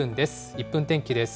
１分天気です。